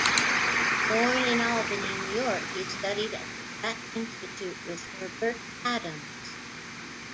Born in Albany, New York, he studied at the Pratt Institute, with Herbert Adams.